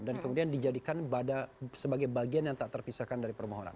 dan kemudian dijadikan sebagai bagian yang tak terpisahkan dari permohonan